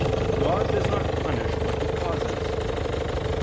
i, 19): "God does not punish what He causes."